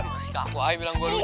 masih kaku aja bilang gue lucu